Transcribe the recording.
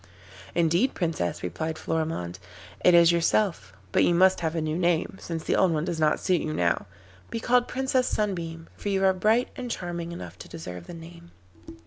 'Indeed, Princess,' replied Florimond, 'it is yourself, but you must have a new name, since the old one does not suit you now. Be called Princess Sunbeam, for you are bright and charming enough to deserve the name.